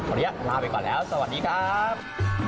วันนี้ลาไปก่อนแล้วสวัสดีครับ